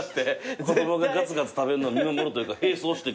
子供がガツガツ食べるのを見守るというか並走して。